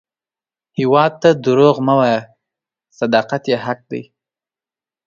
هیواد ته دروغ مه وایه، صداقت یې حق دی